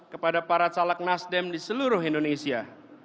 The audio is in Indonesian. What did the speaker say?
kepada para caleg nasdem di seluruh indonesia